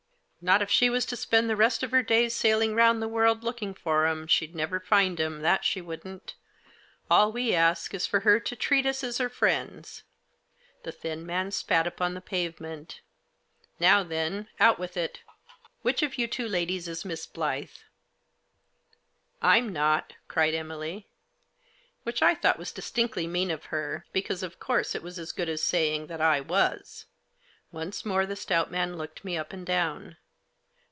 " Not if she was to spend the rest of her days sailing round the world looking for 'em, she'd never find 'em, that she wouldn't. All we ask is for her to treat us as her friends." The thin man spat upon the pavement. " Now then, out with it ; which of you two ladies is Miss Blyth?" " I'm not," cried Emily. Which I thought was distinctly mean of her, because, of course, it was as good as saying that I was. Once more the stout man looked me up and down.